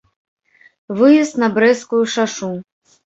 Выезд на брэсцкую шашу.